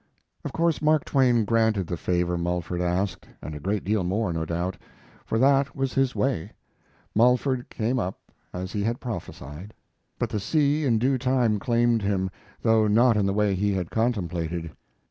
Of course Mark Twain granted the favor Mulford asked, and a great deal more, no doubt, for that was his way. Mulford came up, as he had prophesied, but the sea in due time claimed him, though not in the way he had contemplated.